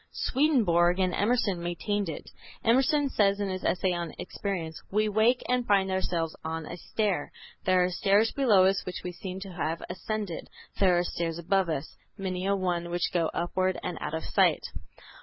Swedenborg and Emerson maintained it. Emerson says in his essay on Experience, "We wake and find ourselves on a stair. There are stairs below us which we seem to have ascended; there are stairs above us, many a one, which go upward and out of sight."